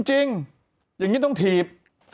จริงอย่างนี้ต้องถีบ